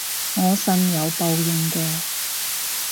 我信有報應嘅